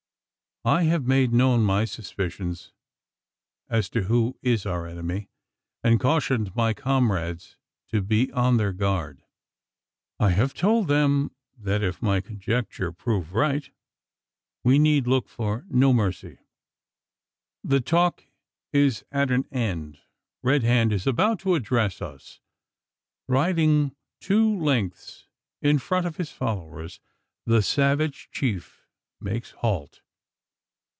I have made known my suspicions as to who is our enemy, and cautioned my comrade's to be on their guard. I have told them that, if my conjecture prove true, we need look for no mercy. The talk is at an end. Red Hand is about to address us. Riding two lengths in front of his followers, the savage chief makes halt.